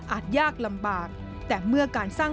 ยากลำบากแต่เมื่อการสร้าง